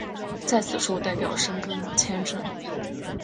在此处代表申根签证。